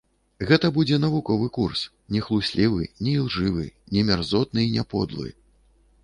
Гэта будзе навуковы курс, не хлуслівы, не ілжывы, не мярзотны і не подлы.